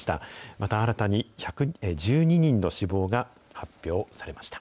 また、新たに１２人の死亡が確認されました。